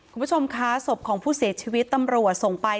คุณผู้ชมคะศพของผู้เสียชีวิตตำรวจส่งไป